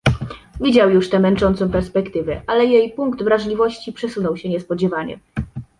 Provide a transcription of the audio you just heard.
Widział już tę męczącą perspektywę, ale jej punkt wrażliwości przesunął się nie spodziewanie.